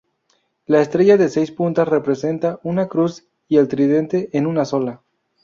La estrella de seis puntas representa una cruz y el tridente en una sola.